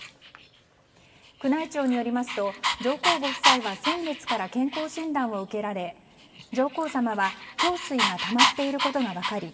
宮内庁によりますと上皇ご夫妻は先月から健康診断を受けられ上皇さまは胸水がたまっていることが分かり